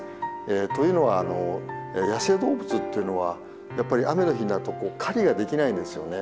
というのは野生動物というのはやっぱり雨の日になると狩りができないんですよね。